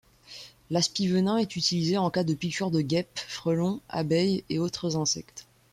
L'Aspivenin est utilisé en cas de piqures de guêpes, frelons, abeilles ou autres insectes.